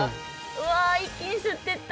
うわ一気に吸ってった。